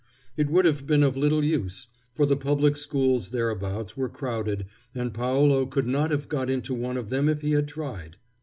It would have been of little use, for the public schools thereabouts were crowded, and Paolo could not have got into one of them if he had tried.